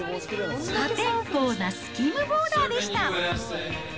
破天荒なスキムボーダーでした。